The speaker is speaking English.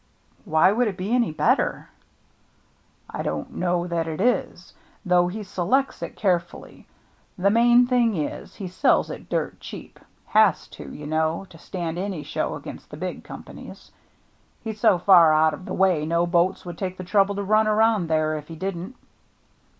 "Why should it be any better ?"" I don't know that it is, though he selects it carefully. The main thing is, he sells it dirt cheap, — has to, you know, to stand any show against the big companies. He's so far out of the way, no boats would take the trouble to run around there if he didn't.